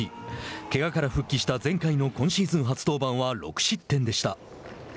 けがから復帰した前回の今シーズン初登板は６失点でした。